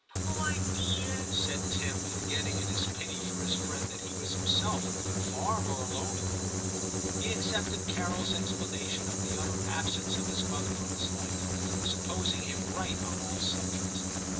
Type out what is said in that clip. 48 TIM CHAP. ' Poor dear/ said Tim, forgetting in his pity for his friend that he was himself far more alone in the world. He accepted CaroFs explanation of the utter absence of his mother from his life, supposing him right on all subjects.